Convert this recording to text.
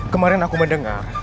kemarin aku mendengar